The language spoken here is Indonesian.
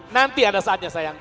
nanti ada saatnya sayang